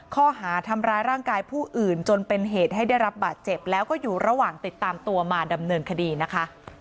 ข้อหาทำร้ายร่างกายผู้อื่นจนเป็นเหตุให้ได้รับบาดเจ็บแล้วก็อยู่ระหว่างติดตามตัวมาดำเนินคดีนะคะ